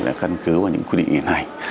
đã căn cứ vào những quy định hiện hành